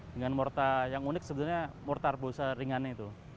dengan mortar yang unik sebenarnya mortar busa ringan itu